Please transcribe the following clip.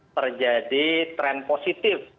terjadi tren positif